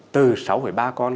từ sáu ba con